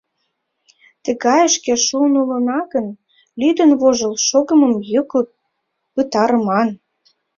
Тыгайышке шуын улына гын, лӱдын-вожыл шогымым йыклык пытарыман.